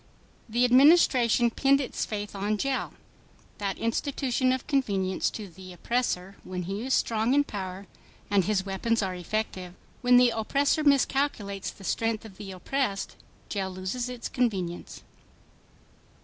The Administration pinned its faith on jail—that institution of convenience to the oppressor when he is strong in power and his weapons are effective. When the oppressor miscalculates the strength of the oppressed, jail loses its convenience.